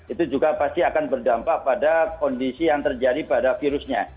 itu juga pasti akan berdampak pada kondisi yang terjadi pada virusnya